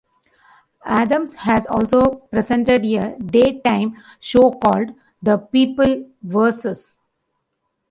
Adams has also presented a daytime show called "The People Versus".